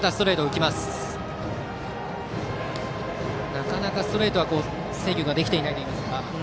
なかなかストレートは制御ができていないですね。